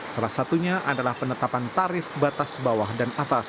salah satunya adalah penetapan tarif batas bawah dan atas